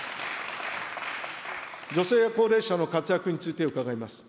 女性や高齢者の活躍について伺います。